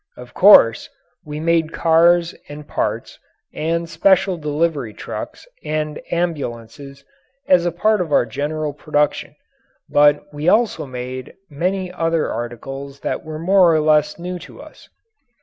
Of course we made cars and parts and special delivery trucks and ambulances as a part of our general production, but we also made many other articles that were more or less new to us.